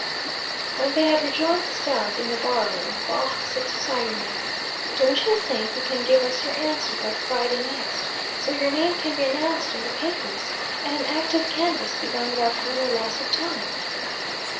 When they had rejoined Stubb in the bar room, Baugh said to Seigerman, "Don't you think you can give us your answer by Friday next, so your name can be announced in the papers, and an active canvass begun without further loss of time?"